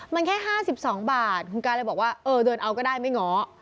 มันแค่ห้าสิบสองบาทคุณกายเลยบอกว่าเออเดินเอาก็ได้ไม่เหงา